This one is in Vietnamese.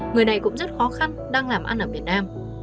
người này cũng rất khó khăn đang làm ăn ở việt nam